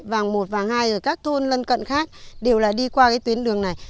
vàng một vàng hai ở các thôn lân cận khác đều là đi qua cái tuyến đường này